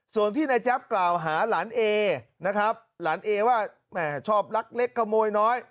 ส่วนที่นายแจ๊บกล่าวหาหลานเอนะครับหลานเอว่าแหมชอบลักเล็กขโมยน้อย